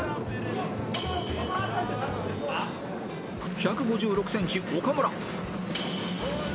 ［１５６ｃｍ岡村］